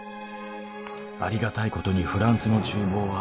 「ありがたいことにフランスの厨房は」